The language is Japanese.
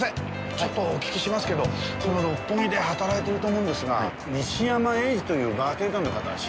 ちょっとお聞きしますけど六本木で働いていると思うんですが西山英司というバーテンダーの方知りませんか？